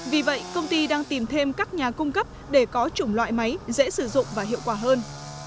vì vậy công ty đang tìm thêm các nhà cung cấp để có chủng loại máy dễ sử dụng và hiệu quả hơn